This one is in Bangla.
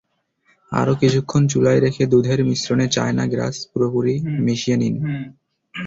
আরও কিছুক্ষণ চুলায় রেখে দুধের মিশ্রণে চায়না গ্রাস পুরোপুরি মিশিয়ে নিন।